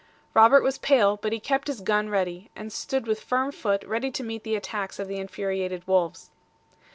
Robert was pale, but he kept his gun steady, and stood with firm foot ready to meet the attacks of the infuriated wolves.